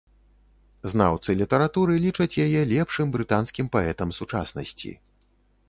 Знаўцы літаратуры лічаць яе лепшым брытанскім паэтам сучаснасці.